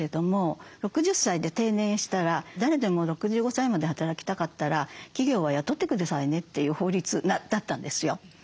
６０歳で定年したら誰でも６５歳まで働きたかったら企業は雇って下さいねという法律だったんですよ。